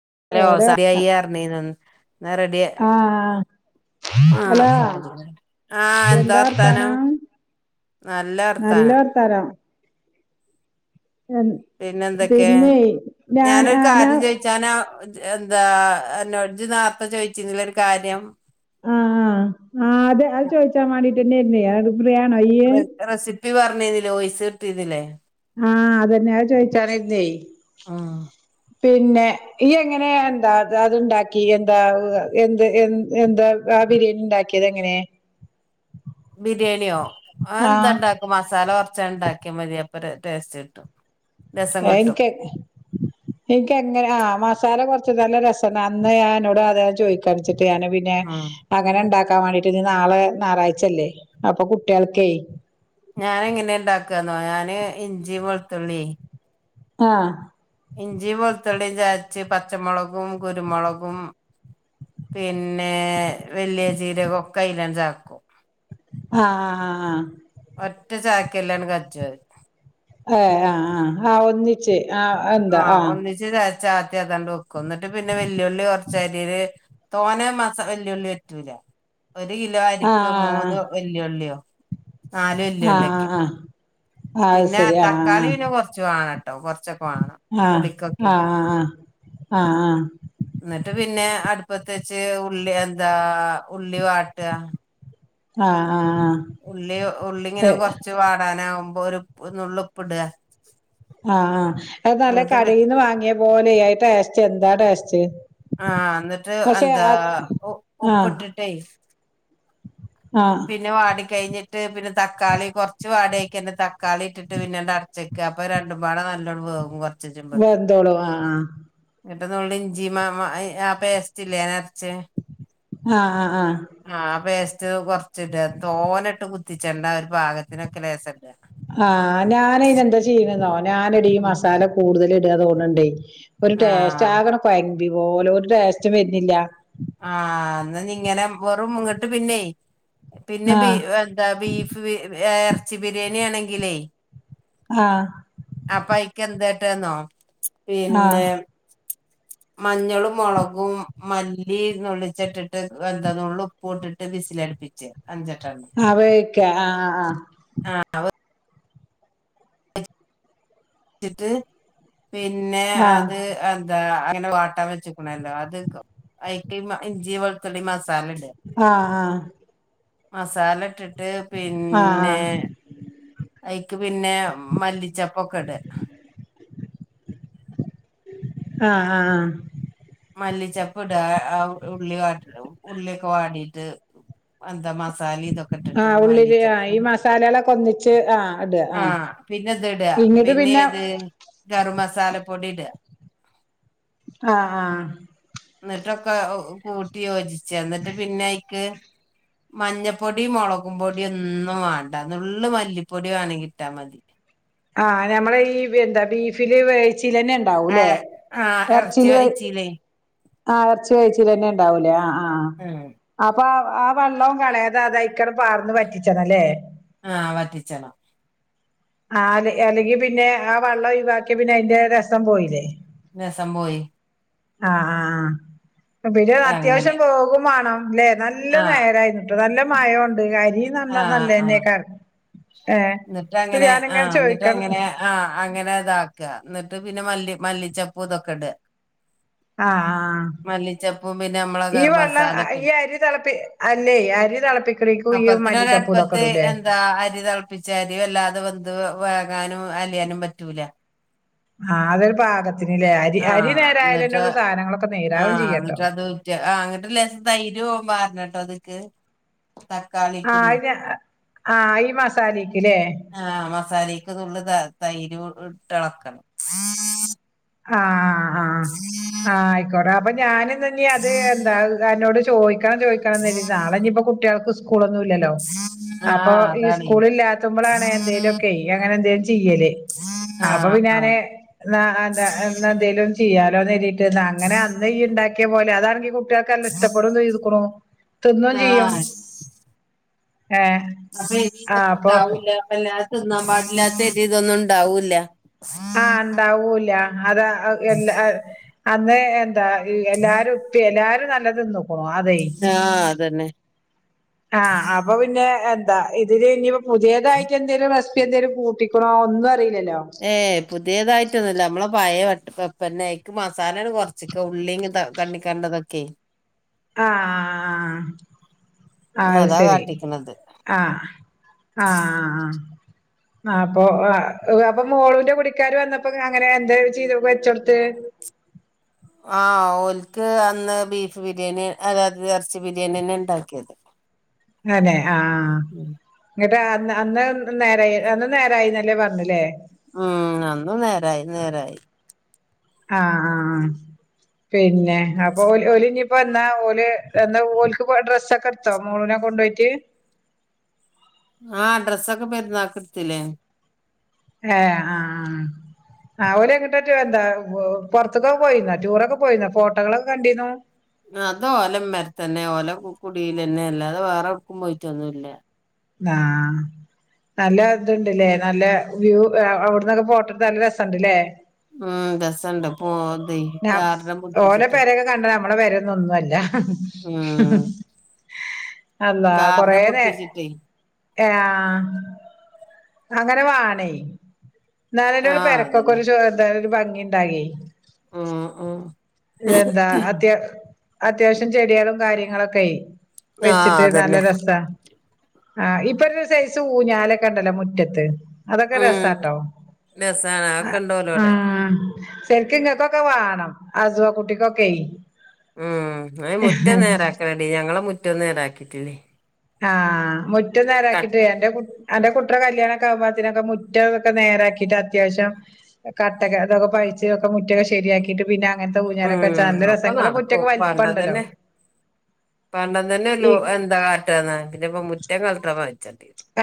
[unintelligible] എവിടെ ആഹ് ഹലോ ആ എന്താ വർത്താനം നല്ല വർത്താനം പിന്നെന്തൊക്കെ പിന്നെ ഞാൻ ഞാനൊരു ആ ഞാൻ കാര്യം ചോയിച്ചാനാ എന്താ എന്നാ ജ്ജ് നേരത്തെ ചോദിച്ചിരുന്നില്ലെ ഒരു കാര്യം ആ ആ ആ അതെ അത് ചോദിച്ചാ വേണ്ടിട്ട് പിന്നെ ഇല്ലേ [unintelligible] [unintelligible] റെസിപ്പി പറഞ്ഞിരുന്നില്ലേ വോയിസ്‌ ഇട്ടിരുന്നില്ലേ ആ അത് തന്നെയാ അത് ചോയിച്ചാനാരുന്നേ ആ പിന്നെ ഈ എങ്ങനെ എന്താ അത് അതുണ്ടാക്കി എന്താ എന്ത് എ എന്താ ആ ബിരിയാണി ഉണ്ടാക്കിയതെങ്ങനെ ബിരിയാണിയോ ആ എന്താ ഉണ്ടാക്കും മസാല കുറച്ച് ഉണ്ടാക്കിയ മതിയപ്പോ അപ്പോ ടേസ്റ്റ് കിട്ടും രസം കിട്ടും എനിക്ക് എനിക്കങ്ങനെ ആ മസാല കൊറ ച്ച് നല്ല രസാണ് അന്നേ ഞാൻ അന്നോട്‌ അതേ ചോദിക്കാ വെച്ചിട്ട് പിന്നെ ഉം അങ്ങനെണ്ടാക്ക ക്കാൻ വേണ്ടീട്ട് ഇനി നാളെ നാറാഴ്ചല്ലേ അപ്പൊ കുട്ടികൾക്കേ ഞാന് എങ്ങനെ ഇണ്ടാക്കാന്നോ ഞാന് ഇഞ്ചി വെളുത്തുള്ളി ആഹ് ഇഞ്ചിയും വെളുത്തുള്ളിയും ചതച്ച് പച്ചമൊളകും കുരുമൊളകും പിന്നെ വല്ല്യ ജീരകോക്കെ അയിലാ ചേർക്കും ആഹ് ആഹ് ആഹ് ആഹ് ഒറ്റ ചായക്കല്ലാങ്ങട് [unintelligible] ഏഹ് ആഹ് ആഹ് ആഹ് ഒന്നിച്ച് ആഹ് എന്താ ആഹ് ചാത്തിഅതാണ്ട് വെക്കും എന്നിട്ട് പിന്നെ വെ ല്ലുള്ളി കൊറച്ചരിയല് തോനേം മസാ വല്യുള്ളി വഴറ്റൂല ഒരു കിലോ ആ അരിക്ക് മൂന്ന് വല്ലുള്ളിയോ ന്നാലും ആ ആ [unintelligible] ആ ആ അത് പിന്നെ ശരി ആ തക്കാളീനെ കൊറച്ച് വേണ ട്ടോ കൊറച്ചൊക്കെ വേണം ആ പുളിക്കൊക്കെ ആ ആ ആ ആ ആ എന്നിട്ട് പിന്നെ അടുപ്പത്തു വച്ച് ഉള്ളി എന്താ ഉള്ളി വാട്ട ആഹ് ഉള്ളി ഉള്ളിങ്ങനെ കൊറച്ച് വാടാനാകും [unintelligible] നുള്ള് ഉപ്പിടുക ആ ആ അത് നല്ല എന്നിട്ട് പി കടയിൽ നിന്ന് വാങ്ങിയ പോലെയി ടെസ്‌ ചെന്താടെസ്റ്റ് ആഹ് എന്നിട്ട് എന്താ ആ ഉപ്പിട്ടിട്ടേ ആ പിന്നെ വാടി കഴിഞ്ഞിട്ട് പിന്നെ തക്കാളി കുറച്ച് വാടക്ക് തന്നെ തക്കാളി ഇട്ടിട്ട് പിന്നെ അങ്ങട് അടച്ചു വെയ്ക്കുക അപ്പൊ രണ്ടും പാട നല്ലോണം വേവും വ വന്തോളു ആഹ് ആഹ് കിട്ട് നമ്മള് ഇഞ്ചി ആ പേസ്റ്റ് ഇല്ലേ ആഹ് ആഹ് ആഹ് ആ പ്പേസ്‌ [unintelligible] [unintelligible] തോന ഇട്ട് കുത്തിച്ചണ്ട ഒരു ഭാഗത്തിനൊക്കെ ലേസ ആഹ് ഞാനതിന് എന്താ ചെയ്യണെന്നോ ഞാന് എടി ഉം മസാല കൂടുതൽ ഇ ഡാ തോന്നണ്ടേ ഒരു ടെസ്റ്റ്‌ ആഹ് ആക്കഡ് കോയ പോലെ ഒരു ടേയ്സ്റ്റും വരുനി ല്ല ആഹ് ന്ന ഇങ്ങനെ വെറും ഇങ്ങട്ട് പിന്നെ പിന്നെ ബീ ആഹ് എന്താ ബീഫ് ബി എറച്ചി ബിരിയാണി ആണെങ്കിലേ ആഹ് അപ്പ അയ്ക്കേന്ത ട്ടാ ന്നോ ആഹ് പിന്നെ മഞ്ഞളും മോളകും മല്ല് ല്ലി നുള്ളിച്ചിട്ടിട്ട് എന്താ നുള്ള് ഉപ്പും ഇട്ടിട്ട് വിസിലടിപ്പിച്ച് അഞ്ചെട്ടണ്ണം ക്ക ആ ആ ആ ആ അപ്പ ച്ചിട്ട് പിന്നെ ആഹ് അത് എന്താ അനെ വാട്ടാൻ വെച്ചക്കണല്ലോ അത് അതിക്ക് ഇഞ്ചി വെളുത്തുള്ളി മസാ ആ ആ മസാല ഇട്ടിട്ട് ആ ആ പിന്നെ അയിക്ക് പിന്നെ മല്ലിച്ചെപ്പൊക്കെ ഇടാ ആഹ് ആ മല്ലിച്ചെപ്പ് ഇട ആ ഉള്ളി ഉള്ളിയൊക്കെ വാടിട്ട് എന്താ മസ ആ ഉള്ളില് ആ ഈ മസാലകൊളേകെ ഓന്നിച്ച് ആ ആ പിന്നെ ഇതുഇട പിന്നെ ഏത് ഗരം മസാ സാല പൊടിഇട ആഹ് ആ എന്നിട്ടൊക്കെ കൂട്ടി യോജി ക്ക എന്നിട്ട് പിന്നെ അയിക്ക് മഞ്ഞപ്പൊടിം മോളകും പൊടി ഒന്നും വേണ്ട നുള്ള് മല്ലിപ്പൊടി വേണെ ഇട്ടാൽ മതി ആ ഞമ്മള് ഈ വേന്താ ബീഫില് വേവി ച്ചില്ന്നെ ആ ഇണ്ടാവുലെ ആ അതാ ഇറച്ചി ഇറച്ചില് വേവി വെച്ചില്ലേ ആ ഇറച്ചി വേവിച്ചെല് ഇണ്ട ഉണ്ടാവില്ലെ ആ ആ ഉം അപ്പ ആ വള്ളോം കളെയാ അ [unintelligible] [unintelligible] പാർന്ന് വറ്റിച്ചതല്ലേ ആ വറ്റിച്ചണം ആ അല്ലെങ്കി പിന്നെ ആ വെള്ളം ഒഴിവാക്കിയ പിന്നെ അതിന്റെ രസം പോയില്ലേ രസം പോയി ആ ആ ആ പിന്നെ അങ്ങനെ അത്യാവശ്യം പോകും വാണം ല്ലേ നല്ല ആ നേരായിനിട്ട് നല്ല മയോണ്ട് കാര്യം നല്ല ആ ആ നല്ലനന്നേക്കാണ് എന്നിട്ട് അങ്ങനെ ആഹ് എന്നിട്ട് ചോയിക്കണം അങ്ങനെ ആ അങ്ങനെ ഇതാ എന്നിട്ട് പിന്നെ മല്ലി മല്ലിച്ചപ്പൂ ഇതൊക്കെ ഇട് ആഹ് ആ പിന്നെ നമ്മളെ ഈ ഗരം വെള്ളം മസാല ഒക്കെ ഈ ഇടും അരി തെളപ്പി അല്ലേ അരി തെളപ്പിക്കണിക്കും ഈ അപ്പത്തിന് മല്ലിച്ചപ്പൂതൊക്കെടൂല്ലേ ച്ചരി വല്ലാതെ വന്ത് വേകാനും അലിയാനും പറ്റൂല ആഹ് അതൊരു പാക ആഹ് അന്നിട്ട് സാധനങ്ങളൊക്കെ നേരാവും ആഹ് ചെയ്യാട്ടോ അന്നിട്ട് അത് ഉറ്റിയ ആ അങ്ങിട്ട് ലേസം തൈരും ഓ വാറനട്ടോ അത്ക്ക് ആ തക്കാളിക്കുടി അത് ആ ഈ മസാലേക്കില്ലേ ആ മസാലക്ക്‌ തുള്ള് താ തൈര് [unintelligible] ഇട്ടളക്കണം ആഹ് ആഹ് ആഹ് ആയിക്കോടെ അപ്പൊ ഞാന് അത് തന്നെ അത് എന്താകാരനോട് ച് ചോയ്ക്ക് ക്കണം ചോദിക്കണം കരുതി നാളെ ഇനിപ്പൊ കുട്ടികൾക്ക് സ് സ്കൂളൊന്നും ഇല്ലല്ലോ ആ അപ്പോ ഈ അതാണ് സ്കൂളല്ലാത്തുമ്പോലാണെ എന്തെങ്കലുമൊക്കെ അങ്ങനെ എന്തേ ചെയ്യല്ലേ ആ അപ്പൊ പിന്നെ ആ ഞാന് ന്നാ അതെന്നാ എന്തേലും ചി ചെയാലോന്ന് നീരീ ണ്ട് ന്നാ അങ്ങനെ അന്ന് ഈ ഇണ്ടാക്കിയ പോലെ ലതാണെങ്കി കു ട്ടികൾക്കെല്ലാം ഇഷ്ടപെടും തെയ്തുക്കുണു തിന്നും ചെയ്യും ആ ഏ അപ്പൊ ആ ഇനിതൊനൊന്നും അപ്പൊ ഉണ്ടാവൂല്ല അ ല്ലാ തിന്നാൻ പാടില്ലാത്തരി ഇതൊന്നും ഉണ്ടാവൂല്ല ആഹ് ണ്ടാവൂല അതാ അത് എല്ലാ ഏ അതെ എ ന്താ എലാരും ഉപ്പിയേം എലാരും നല്ലത് എന്നോ ആ അതന്നെ ആ അപ്പൊ പിന്നെ ത ഇത് കഴിഞ്ഞു പുതിയതായിട്ട് എന്തേലും റെസ് പി എന്തെലും കൂട്ടിക്കണോ ഒന്നും അറിയി ഏ പുതിയതായി പറ്റുന്നില്ല നമ്മളെ പഴയ [unintelligible] പിന്നെ ക്ക് മസാലണ് കൊറച്ചക്ക ഉള്ളി ഇങ്ങനത്തൊക്ക കണ്ണിക്കേണ്ടതൊക്കെ ആഹ ആ ആ അതാ ശരി കാട്ടിക്കണത് ആഹ ആഹ് ആ അപ്പൊ ആ അപ്പൊ മോളുന്റെ കുടിക്കാര് വന്നപ്പോ അങ്ങനെ എന്താ ചെയ്ത് വെച്ച കൊടുത്തേ ആഹ ഓൽക്ക് അന്ന് ബീഫ് ബിരിയാണി അതായത് ഇറച്ചി ബിരിയാണിന്നെ ഉണ്ടാക്കിയത് അതെ ആഹ ഉം എടാ അത് അന്ന് നേരായി അന്ന് നേരായിന്നല്ലേ പറഞ്ഞില്ലേ ഉം അന്നു നേരായി നേരായി ആഹ ആ പിന്നെ അപ്പൊ ഓല് ഓല് ഇനിപ്പോ എന്നാ ഓല് എന്താ ഓലക്ക് ഡ്രെസ്സൊക്കെ എടുത്തോ മോളൂനെ കൊണ്ട് പോയിട്ട് ആഹ ഡ്രസ്സ് ഒക്കെ പെരുന്നാക്ക് എടുത്തില്ലേ ഏ ആ ആ ഒല് എങ്ങോട്ട എന്താ പുറത്തക്ക പോയിന്നോ ടൂറൊക്കെ പോയിന്നോ ഫോട്ടോകളൊക്കെ കണ്ടീന്നു അത് ഓല ഇമ്മറത്തന്നെ ഓല കുടീലന്നെ അല്ലാതെ വേറെ എടുക്കും പോയിട്ടൊന്നുമല്ല ആ നല്ല ഇതുണ്ടല്ലേ നല്ല വ്യൂ അവിടന്നൊക്കെ പോട്ടിട്ട് നല്ല രസുണ്ടല്ലേ ഉം രസണ്ട് പോത ഞാൻ കാരണം ഓലെ കുടിപ്പിച്ചിട്ടെ പെരയൊക്കെ കണ്ട നമ്മളെ പെരെന്നൊന്നും അല്ല അന്താ ഗാർഡൻ കൊറേനേ പുടിപ്പിച്ചിട്ടേ ഏ ആ അങ്ങനെ വേണേ എന്നാല് ഒരാൾ ആഹ് പെരക്കൊക്കെ അതന്നെ ഒരു ചോ എന്ത ഭംഗി ഉണ്ടാകേ മം മു ഇതെന്താ അദ്യാ അത്യാവശ്യം ചെടികളും കാര്യങ്ങളൊക്കെ ആഹ് വെച്ചിട്ട് നല്ല അതന്നെ രസാ ആ ഇപ്പ ഒരു സൈസ് ഊഞാല് ഓക്കെ ഉണ്ടല്ലോ മുറ്റത്ത് അതൊക്കെ ഉം രസാട്ടോ രസാണ് അതൊക്കെ ആ ഇണ്ടോലോടെ എനിക്ക് ഇങ്ങനെയൊത്തൊക്കെ വാങ്ങണം ആസ്സുവ കുട്ടിക്ക്ക്കെ ഉം അ മുറ്റം നേരാക്കണടി ഞങ്ങളെ മു റ്റം നേർ ആക്കിത്തിളി ആ മു റ്റം നേരാ ആക്കിട്ട് എന്റെ കു അന്റെ കുട്ടറെ കല്യാണ ഒക്കെ ആവുമ്പോ അതിനൊക്കെ മുറ്റതൊക്കെ നേരക്കിട്ട് അത്യാവശ്യം കട്ടെ അതൊക്കെ പഴിച്ചതക്കെ മുറ്റൊക്കെ ശെരിയാക്കിയിട്ട് പിന്നെ അങ്ങനത്തെ ഊഞ്ഞാലൊക്കെ വെച്ചാ ഉം നല്ല രസ ഒക്കെ ഇങ്ങളെ നടക്കും മുറ്റൊക്കെ വലിപ്പണ്ടല്ലോ പറഞ്ഞതന്നെ പറഞ്ഞതന്നെ ഈ ലോ എന്താ കാറ്റാണ് അതിപ്പ മുറ്റം കള [unintelligible]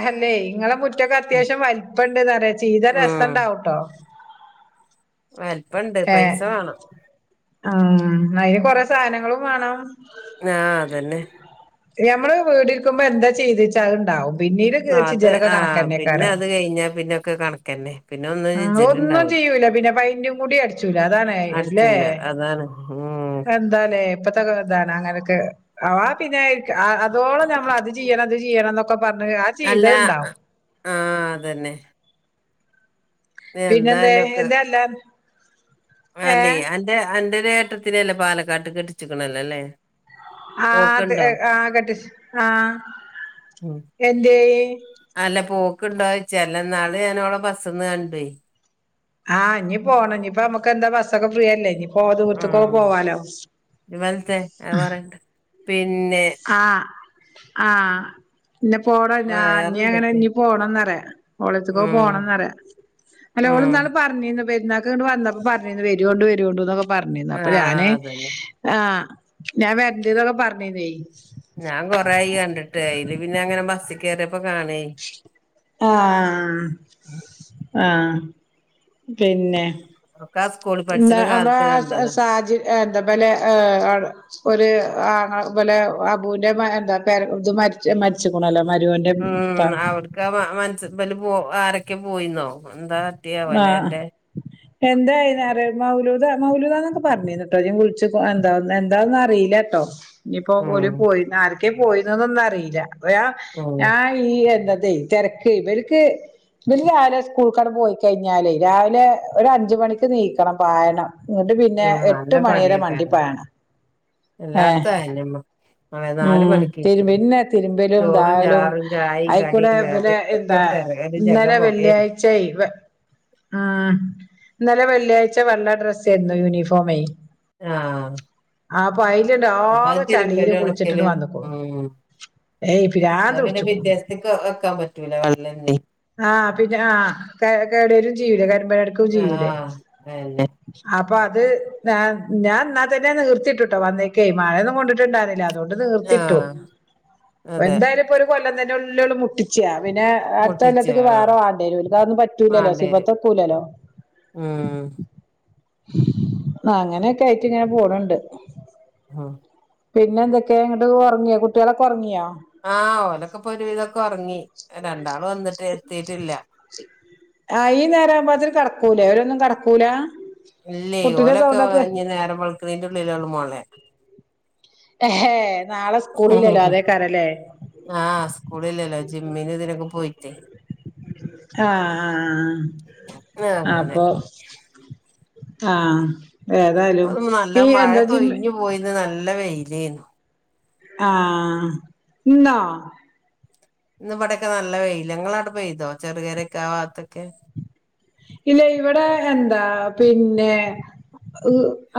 ഹല്ലേ ഇങ്ങളെ മുറ്റൊക്കെ അത്യാവശ്യം വലിപ്പം ഉണ്ട്ന്ന്റിയ ചെയ്ത രസം ഉം ഉണ്ടാവട്ടോ വലിപ്പണ്ട് ഏ പൈസ വേണം ആ അതിന് കൊറെ സാധനങ്ങളും വണം ആ അതന്നെ ഞമ്മള് വീടരിക്കുമ്പോ എന്താ ചെയ്തച്ചാത്ണ്ടാവും അത് ആ പിന്നെ അത് കഴിഞ്ഞാ പിന്നൊക്കെ കണക്കന്നെ പിന്നെ ഒന്നും ഒന്നും രുചിലുണ്ടാവൂല ചെയ്യൂല്ല പിന്നെ പൈ കൂടി അ അതാണ് ഇല്ലേ അടിച്ചൂല അതാണ് ഉം എന്താലേപ്പ പുസ്തക അങ്ങനെയൊക്കെ അവ പിന്നെ അതോളം നമ്മൾ അത് ചെയ്യണം അത് ചെയ്യണം എന്നൊക്കെ പറഞ്ഞ് ആ അല്ല ചെയ്തത്ണ്ടാവും ആ അതന്നെ പിന്നെന്താ എന്തായാലും ഒക്കെ എന്താല്ലാ അല്ലേ എന്റെ എന്റെ ഏട്ടത്തിനല്ലേ പാലക്കാട്ട് കെട്ടിച്ചിക്കണല്ലോല്ലേ അത് ആ. കട്ട്‌ ആഹ ഉം എന്ത് ക്കണ്ടോച്ചല്ല നാള് ഞൻ അവടെ ബസ്ന്ന് കണ്ട പോയി ആഹ് ഇനി പോകണം ഇനിയിപ്പ നമ്മുക്ക് എന്താ ബസ്സൊക്കെ ഫ്രീയല്ലേ ഇനി പോ ദൂർത്തക്കൊക്കെ ആഹ് പോവാലോ ഹം പേൻ പിന്നെ ആ ഇന്നെ പോണ വേറെ ഞീ അങ്ങനെ എന്തൊക്കെയാ ഇനി പോണംന്ന്റയാ ഓളത്തക്ക ഉം പോണംന്ന് പറയാ അല്ല ഉം ഓള്ന്നാള് പറഞ്ഞീന്ന് പെരുന്നാൾക്ക് വന്നപ്പോ പറഞ്ഞി വര കൊണ്ടണ്ട് വര കൊണ്ടോക്കെ പറഞ്ഞിന്ന അപ്പൊ ഞാന് ആഹ് അതന്നെ ആ ഞാൻ വരണ്ടതൊക്കെ പറഞ്ഞീന്നേ ഞാൻ കൊറെയി കണ്ടിട്ട് അയില് പിന്നെ അങ്ങനെ ബസ് കേര ആഹ ആഹ പിന്നെ ആ സ്കൂളിൽ ാ പഠിച്ച്ണ കാലത്ത് നമ്മടെ കണ്ടതാ സാഹച എന്താപലെ [unintelligible] ഒരു ലെ അബുവിന്റെ എന്താ ഇ മരിച്ചണല്ല [unintelligible] മരുവന്റെറെപ്പാ അല് പോ ആരൊക്കെ പോയിന്നോ എന്താ പറ്റിയാവോലെ ആഹ് അന്റെ എന്തായിനാർ മൗലൂത മൗലൂത എന്നൊക്കെ പറഞ്ഞുന്ന കേട്ടോ ഞാൻ വിളിച്ചച്ച് എന്ത എന്താന്ന് അറിയില്ല കേട്ടോ ഇനിയിപ്പോ ഓല് ഉം പോയി ആ ഒക്കെ പോയിരുന്നന്നൊന്ന അറിയില്ല അ ഉം ഞാൻ ഈ എന്താ തിരക്ക് വര്ക്ക് വര് രാവിലെ സ്കൂൾക്കട് പോയി കഴിഞ്ഞാലേ രാവിലെ ഒരു അഞ്ച് മണിക്ക് നീക്കണം പായണം ഇങ്ങോട്ട് പിന്നെ ഉം നല്ല എട്ട് മണിരെ മണ്ടി പണിയേക്കാരം ലെ. പായണം ഏ എല്ലാട്ത്തും അയന്നെമ്മ അതെ നാല് ഉം മണിക്ക് രു നീച്ചന്നെ. പിന്നെ തിരുമ്പലും ചോറും ദാലും ചാറും ചായിം അയിക്കൂടെ കടിം പിന്നെ കറിം ഒക്കെ എന്താ ഒരു തെര ഒരു ജഗ ഇന്നലെ പൊകേനി വെള്ളിയാഴ്ചായി ഉം ഇന്നലെ വെള്ളിയാഴ്ച വെള്ള ഡ്രസ് ആയിരുന്നു യൂണിഫോമേ ആഹ് ആ വയലന്റെ ആ ചലീരെ കുളിച്ച ഏയ് അ പിരാന്ത് പിന്നെ പിടിച്ച്ക്കുണു വ്യത്യാസ വെക്കാൻ പറ്റ റ്റ വെള്ളെ ആഹ് പിന്നെ ആ കേടരും ജീവൂലേ കരുമ്പഴടക്കും ജീവൂലേ ആഹ് അതെന്നെ അ അപ്പൊ അത് ഞാൻ തന്നെ നിർത്തിയിട്ടട്ടോ വന്നേക്ക മഴയൊന്നും കൊണ്ടിട്ടുണ്ടായിുന്നില്ലത് അതുകൊണ്ട് നീർത്തിട്ടു ആഹ് അതെ എന്തായാലും ഇപ്പൊ ഒരു കൊല്ലം തന്നെ ഉള്ളള്ള പിച്ച പിന്നെ മുട്ടിച്ച ത്തേക്ക് ആഹ് വേറെ വണ്ടേരും ഇക്ക് ഒന്നും പറ്റൂലല്ലോ സിബത്ത വാണ്ടേരും ഒക്കൂലല്ലോ ഉം ആ അങ്ങനെയൊക്കെ ആയിട്ട് ഇങ്ങനെ പോണണ്ട് ആഹ് പിന്നെ എന്തൊക്കെയ ഇങ്ങട്ട് ഒറങ്ങിയോ കുട്ടികളൊക്കെറങ്ങിയോ ആഹ് ഓലൊക്കെ പോ ഒരുവിധൊക്കെ ഉറങ്ങി തണ്ട് അയി നേരം ആവുമ്പതിരി കിടക്ക കടക്കൂല അവരൊന്നും കടക്കൂല ഇല്ലേ കുട്ടിന്റെ ഓലൊക്കെ സൗണ്ടൊക്കെ ഇഞ് നേര വളക്കുന്നന്റെറെ ഉള്ളിലള്ള മോളെ ഹെ ഏ ആഹ് സ്കൂളില്ലല്ലോ ജിമ്മിന് ഇതിനൊക്കെ പോയിട്ടേ ആഹ് ആഹ് അപ്പൊ ആഹ് അ നല്ല മഴപ്പോ ഒഴഞ്ഞു പോയിന്ന് നല്ലവേ ഇലന് ആഹ ഇന്നോ ഇന്ന് ഇവിടെൊക്കെ നല്ല വെയിലങ്ങള അട പോയിതോ ചെറുകയരൊക്കെ ആ ഭാത്തൊക്കെ ഇല്ല ഇവിടെ എന്താ പിന്നെ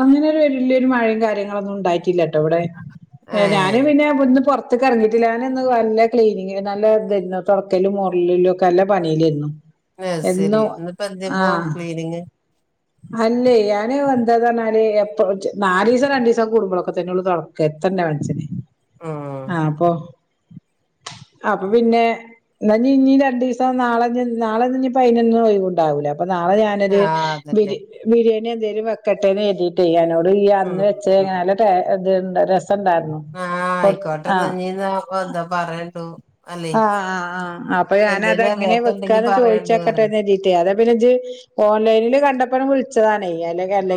അങ്ങനെരു വലിയരു മഴയും കാര്യങ്ങളൊന്നും ഉണ്ടായിട്ടില്ലട്ടോ ഇവിടെ ഏഹ് ഞാന് പിന്നെ ഇവടന്ന് പോർത് പറത്തക്ക ഇറങ്ങിയിട്ടില്ല ഇന്ന് വല്ല ക്ലീനി നല്ല ഇതരുന്നു തുൊറക്കലും മറിലും ഒക്കെ നല്ല പണയിലിരുന്നു ആഹ ശരി ഇപ്പ പ്പോ ക്ലീനിങ് അല്ലേ ഞാന് എന്താഞ്ഞാല് എ നാലല് ദിവസം രണ്ടു ദിവസം കുടുമ്പോഴൊക്കെ തന്നെയള്ള തുടക്ക എത്തണ്ടേ മനസ്സിനന് ഉം ആഹ അപ്പൊ അപ്പൊ പിന്നെ എന്ന ഇനി രണ്ടു ദിവസം നാളെ നാളെ ഇ പതിനെൊന്ന പോ കൊണ്ടാവൂല അപ്പൊ നാളെ ഞാനൊരു ആഹ് അതന്നെ ബരി ബിരിയാണി പി എന്തും വെക്കട്ടേെ എ് ന്നേരത്തിട്ടെ ഉം അന്ന് വെച്ച ഉം നല്ല ടെ രസ ആഹ് ആയിക്കോട്ടെന്ന്ഞ്ഞീന്നാ എന്താ പറയണ്ടു അല്ലെ ആ ആ ആ് അപ്പൊ ഞാന എന്തേലും അതെങ്ങനെ അറിയാത്തുണ്ടെങ്കി വെക്കാന്ന് പറയണ്ടു പറ ചോദിച്ചക്കട്ടെീട്ടേ അതെ പിന്നെ ഓൺലൈനിൽ കണ്ടപ്പന വിള ച്ച ത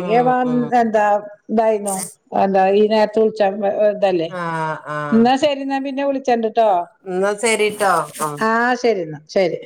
ഉം ഉം എന്താ ഇതായി എന്താ നേരത്ത ല്ലേ ആഹ് ആഹ് എന്നാ ശരിന്ന പിന്നെ എന്ന വിളിച്ചണ്ട് ട്ടോ എന്നാ ശരിട്ടോ ആ ആഹ് ശരി എന്നാ ശരി